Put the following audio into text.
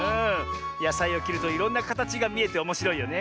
やさいをきるといろんなかたちがみえておもしろいよね。